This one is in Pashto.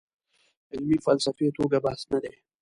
علمي فلسفي توګه بحث نه دی.